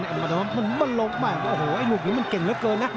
ติดตามนี้มันบ้าหลงแม่อร่อยเก่งเลยเกินนะ